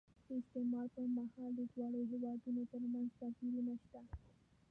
د استعمار پر مهال د دواړو هېوادونو ترمنځ توپیرونه شته.